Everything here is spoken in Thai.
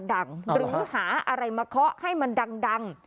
หรือหาอะไรมาเคาะให้มันดัง